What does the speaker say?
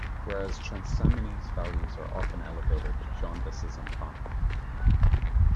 Whereas transaminase values are often elevated, jaundice is uncommon.